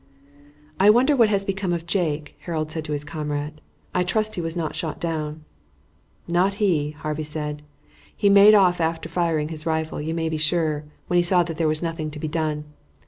"I wonder what has become of Jake," Harold said to his comrade. "I trust he was not shot down." "Not he," Harvey said. "He made off after firing his rifle, you may be sure, when he saw that there was nothing to be done.